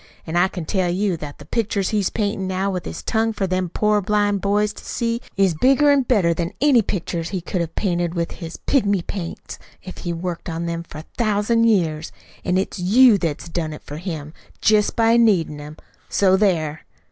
An' I can tell you that the pictures he's paintin' now with his tongue for them poor blind boys to see is bigger an' better than any pictures he could have painted with with his pigmy paints if he worked on 'em for a thousand years. An' it's YOU that's done it for him, jest by needin' him. So there!"